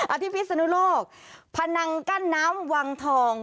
ที่พิศนุโลกพนังกั้นน้ำวังทอง